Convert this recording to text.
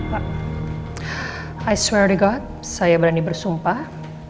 pak i swear to god saya berani bersumpah